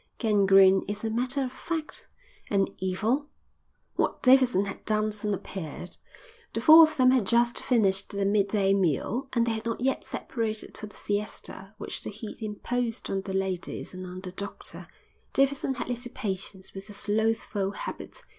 "Gangrene is a matter of fact." "And Evil?" What Davidson had done soon appeared. The four of them had just finished their midday meal, and they had not yet separated for the siesta which the heat imposed on the ladies and on the doctor. Davidson had little patience with the slothful habit.